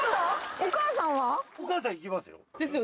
お母さんは行きますよ。